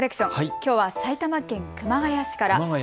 きょうは埼玉県熊谷市から。